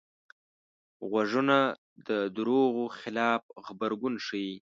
غوږونه د دروغو خلاف غبرګون ښيي